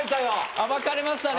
暴かれましたね。